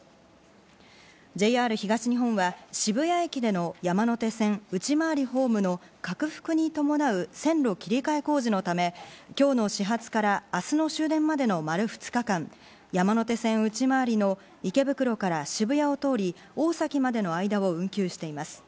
ＪＲ東日本は渋谷駅での山手線内回りのホームの拡幅に伴う線路切り替え工事のため、今日の始発から明日の終電までの丸２日間、山手線内回りの池袋から渋谷を通り、大崎までの間を運休しています。